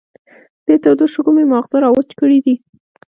دې تودو شګو مې ماغزه را وچ کړې دي.